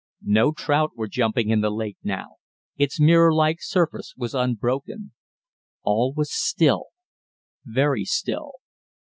No trout were jumping in the lake now its mirror like surface was unbroken. All was still, very still.